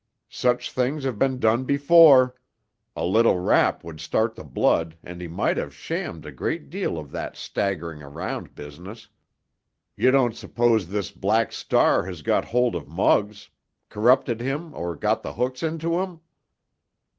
"Such things have been done before. A little rap would start the blood, and he might have shammed a great deal of that staggering around business. You don't suppose this Black Star has got hold of Muggs—corrupted him or got the hooks into him?"